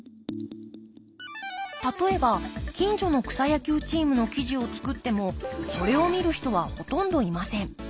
例えば近所の草野球チームの記事を作ってもそれを見る人はほとんどいません。